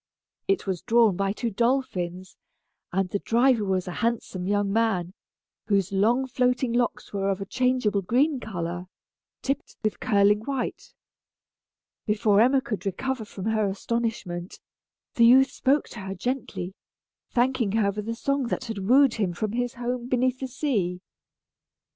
It was drawn by two dolphins, and the driver was a handsome young man, whose long floating locks were of a changeable green color, tipped with curling white. Before Emma could recover from her astonishment, the youth spoke to her gently, thanking her for the song that had wooed him from his home beneath the sea.